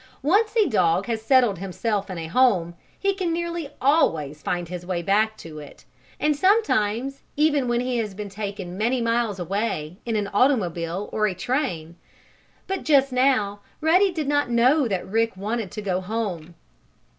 Once a dog has settled himself in a home he can, nearly always, find his way back to it, and sometimes even when he has been taken many miles away, in an automobile or a train. But, just now, Ruddy did not know that Rick wanted to go home.